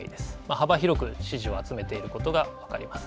幅広く支持を集めていることが分かります。